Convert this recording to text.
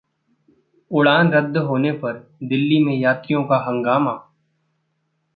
उड़ान रद्द होने पर दिल्ली में यात्रियों का हंगामा